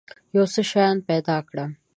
یو څو شیان پیدا کړم.